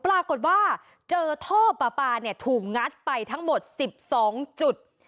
ปรากฏว่าเจอท่อปลาปลาเนี่ยถูกงัดไปทั้งหมด๑๒จุด